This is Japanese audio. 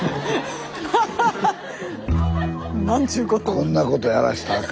こんなことやらしたらあかん。